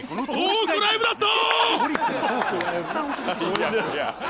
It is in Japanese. トークライブだった！